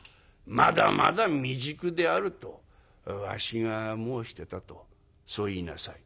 『まだまだ未熟である』とわしが申してたとそう言いなさい」。